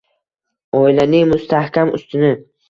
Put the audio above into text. Oilaning mustahkam ustuni